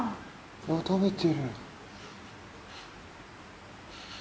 食べてる。